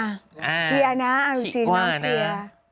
เชียร์นะเอาจริงน้องเชียร์